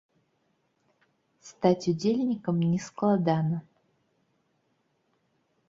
Стаць удзельнікам не складана.